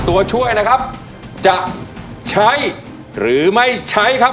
ตัวช่วยนะครับจะใช้หรือไม่ใช้ครับ